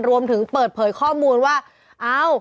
รวมถึงเปิดเผยข้อมูลว่าเอ้า